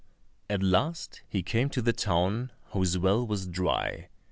At last he came to the town whose well was dry.